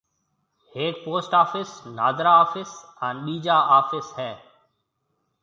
ھيَََڪ پوسٽ آفس ، نادرا آفس ھان ٻيجا آفس ھيََََ